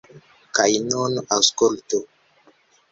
Kaj nun aŭskultu!